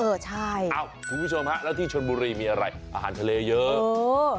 เออใช่เอ้าคุณผู้ชมฮะแล้วที่ชนบุรีมีอะไรอาหารทะเลเยอะ